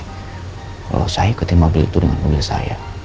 kalau saya ikuti mobil itu dengan mobil saya